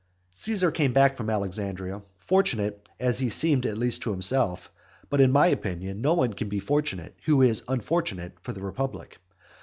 XXVI. Caesar came back from Alexandria, fortunate, as he seemed at least to himself; but in my opinion no one can be fortunate who is unfortunate for the republic.